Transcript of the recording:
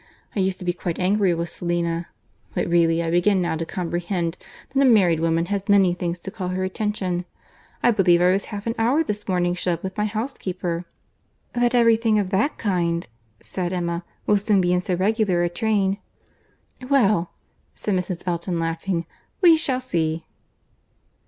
I used to be quite angry with Selina; but really I begin now to comprehend that a married woman has many things to call her attention. I believe I was half an hour this morning shut up with my housekeeper." "But every thing of that kind," said Emma, "will soon be in so regular a train—" "Well," said Mrs. Elton, laughing, "we shall see."